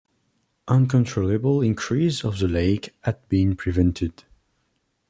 Uncontrollable increase of the lake had been prevented.